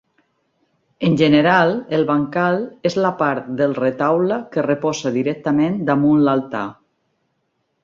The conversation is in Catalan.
En general, el bancal és la part del retaule que reposa directament damunt l'altar.